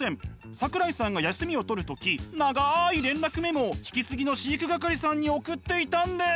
桜井さんが休みを取る時長い連絡メモを引き継ぎの飼育係さんに送っていたんです！